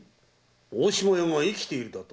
大島屋が生きているだと？